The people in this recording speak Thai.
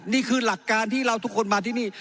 นี่คือหลักการที่เราทุกคนมาที่นี่